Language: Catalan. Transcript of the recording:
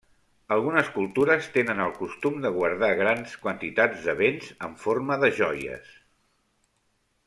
Algunes cultures tenen el costum de guardar grans quantitats de béns en forma de joies.